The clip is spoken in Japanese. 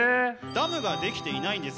ダムが出来ていないんです